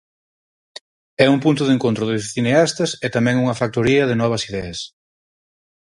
É un punto de encontro de cineastas e tamén unha factoría de novas ideas.